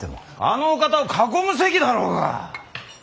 あのお方を囲む席だろうが。